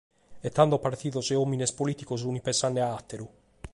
E tando partidos e òmines polìticos sunt pensende a àteru.